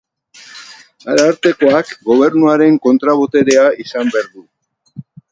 Arartekoak Gobernuaren kontra-boterea izan behar du.